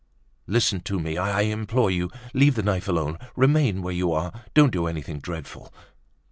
"Listen to me, I implore you. Leave the knife alone. Remain where you are, don't do anything dreadful."